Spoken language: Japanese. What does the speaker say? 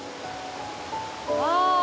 うわ